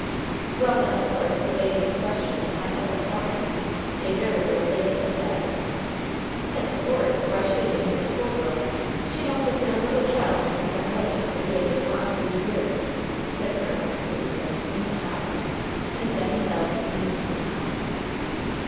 "Well, then, of course, the lady in question is my eldest daughter, a very little lady as yet." "Miss Force! Why, she is a mere schoolgirl! She must have been a little child when he went away, if he has been gone three years," said Col. Anglesea, in surprise; and then he fell into musing.